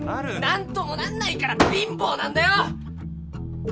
なんともなんないから貧乏なんだよ！